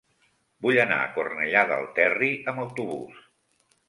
Vull anar a Cornellà del Terri amb autobús.